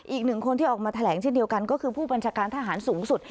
อีกหนึ่งคนที่ออกมาแถลงเช่นเดียวกันก็คือผู้บัญชาการทหารสูงสุด